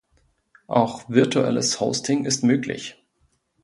Auch virtuelles Hosting ist möglich.